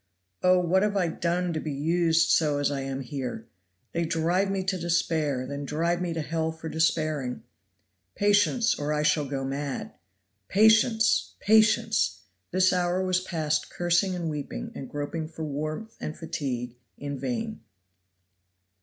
"Oh, what have I done to be used so as I am here? They drive me to despair, then drive me to hell for despairing. Patience, or I shall go mad. Patience! Patience!" This hour was passed cursing and weeping and groping for warmth and fatigue in vain.